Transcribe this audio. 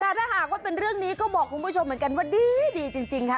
แต่ถ้าหากว่าเป็นเรื่องนี้ก็บอกคุณผู้ชมเหมือนกันว่าดีจริงค่ะ